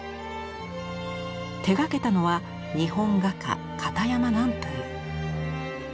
手がけたのは日本画家堅山南風。